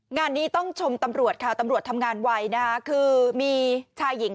งานนี้ต้องชมตำรวจค่ะตำรวจทำงานไวนะคะคือมีชายหญิง